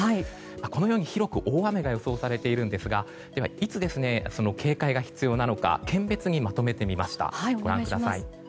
このように広く大雨が予想されていますがいつ、その警戒が必要なのか県別にまとめてみました。